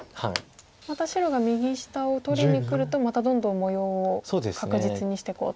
また白が右下を取りにくるとまたどんどん模様を確実にしていこうと。